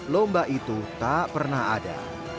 lomba itu tak pernah ada